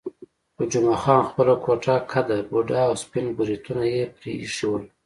خو جمعه خان خپله کوټه قده، بوډا او سپین بریتونه یې پرې ایښي ول.